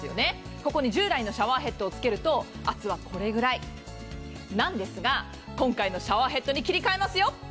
ここに従来のシャワーヘッドをつけると圧はこれくらいなんですが、今回のシャワーヘッドに切り換えますよ。